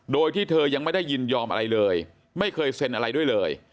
โดยที่เธอยังไม่ได้ยินยอมอะไรเลยไม่เคยเซ็นอะไรด้วยเลย